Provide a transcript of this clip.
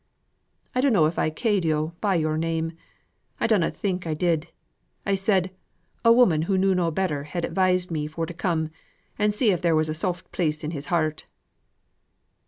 "I dunno, if I ca'd yo' by your name. I dunnot think I did. I said a woman who knew no better had advised me for to come and see if there was a soft place in his heart."